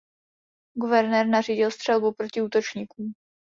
Guvernér nařídil střelbu proti útočníkům.